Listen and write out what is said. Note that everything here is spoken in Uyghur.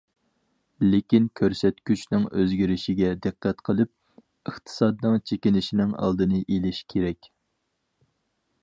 لېكىن كۆرسەتكۈچنىڭ ئۆزگىرىشىگە دىققەت قىلىپ، ئىقتىسادنىڭ چېكىنىشىنىڭ ئالدىنى ئېلىش كېرەك.